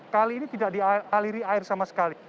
kali ini tidak dialiri air sama sekali